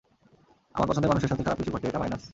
আমার পছন্দের মানুষের সাথে খারাপ কিছু ঘটে, এটা মাইনাস।